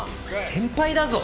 先輩だぞ！